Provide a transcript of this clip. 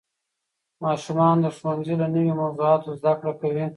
ماشومان د ښوونځي له نوې موضوعاتو زده کړه کوي